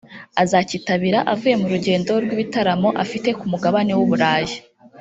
azacyitabira avuye mu rugendo rw’ibitaramo afite ku Mugabane w’u Burayi